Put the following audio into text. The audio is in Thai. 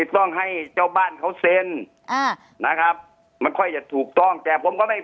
ต้องให้เจ้าบ้านเขาเซ็นอ่านะครับมันค่อยจะถูกต้องแต่ผมก็ไม่